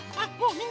みんな。